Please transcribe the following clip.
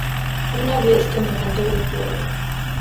Una vez que me encantó ver el jugador.